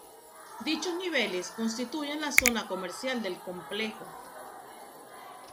Dichos niveles constituyen la zona comercial del complejo.